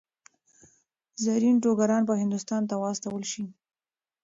زرین ټوکران به هندوستان ته واستول شي.